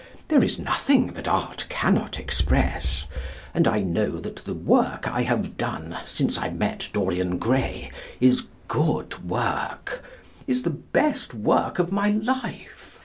There is nothing that Art cannot express, and I know that the work I have done, since I met Dorian Gray, is good work, is the best work of my life.